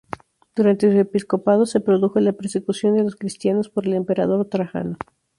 Durante su episcopado, se produjo la persecución de los cristianos por el emperador Trajano.